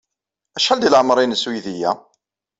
Acḥal deg leɛmeṛ-nnes uydi-a?